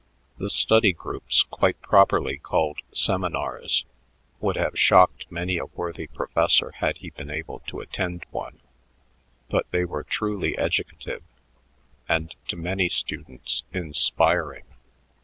The study groups, quite properly called seminars, would have shocked many a worthy professor had he been able to attend one; but they were truly educative, and to many students inspiring.